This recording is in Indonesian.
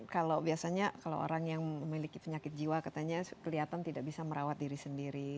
kalau biasanya kalau orang yang memiliki penyakit jiwa katanya kelihatan tidak bisa merawat diri sendiri